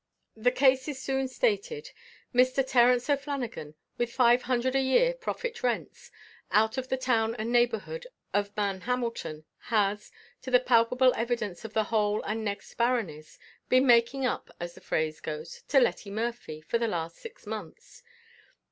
The case is soon stated. Mr. Terence O'Flanagan, with five hundred a year, profit rents, out of the town and neigbourhood of Mannhamilton, has, to the palpable evidence of the whole and next baronies, been making up, as the phrase goes, to Letty Murphy, for the last six months.